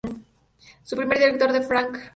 Su primer director fue Frank G. Wisner.